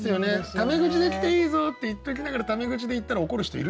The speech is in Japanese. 「タメ口で来ていいぞ」って言っておきながらタメ口でいったら怒る人いるしね。